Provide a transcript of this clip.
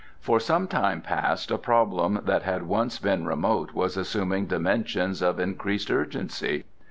For some time past a problem that had once been remote was assuming dimensions of increasing urgency.